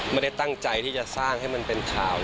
ไม่ได้ตั้งใจที่จะสร้างให้มันเป็นข่าว